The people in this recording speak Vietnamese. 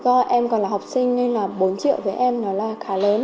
do em còn là học sinh nên là bốn triệu với em nó là khá lớn